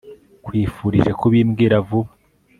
nkwifurije kubimbwira vuba